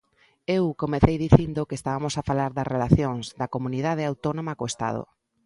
Eu comecei dicindo que estabamos a falar das relacións da Comunidade Autónoma co Estado.